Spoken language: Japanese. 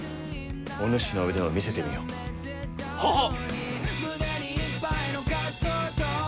お主の腕を見せてみよ。ははっ！